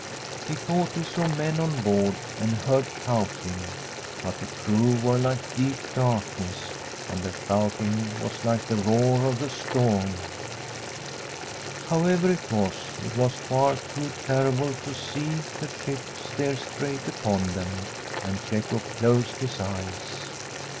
He thought he saw men on board and heard shouting ; but the crew were like deep darkness, and the shouting was like the roar of the storm. The fiihermanU RING However it was, it was far too terrible to see the ship steer straight upon them, and Cecco closed his eyes.